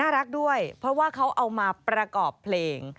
รักด้วยเพราะว่าเขาเอามาประกอบเพลง